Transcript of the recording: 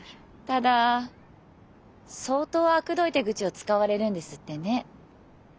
ただ相当あくどい手口を使われるんですってね。